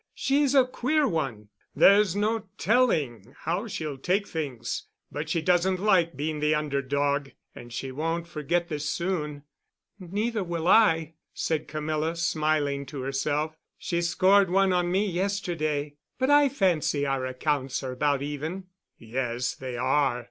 She's a queer one. There's no telling how she'll take things. But she doesn't like being the under dog, and she won't forget this soon." "Neither will I," said Camilla, smiling to herself. "She scored one on me yesterday, but I fancy our accounts are about even." "Yes, they are.